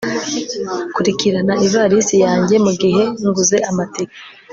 kurikirana ivalisi yanjye mugihe nguze amatike